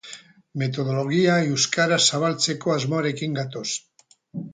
Metodologia euskaraz zabaltzeko asmoarekin gatoz.